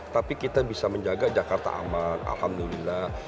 tapi kita bisa menjaga jakarta aman alhamdulillah